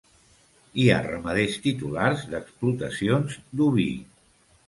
Hi ha ramaders titulars d'explotacions d'oví.